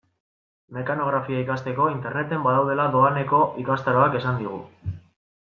Mekanografia ikasteko Interneten badaudela doaneko ikastaroak esan digu.